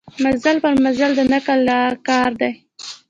مزل پر مزل د نقل کار دی.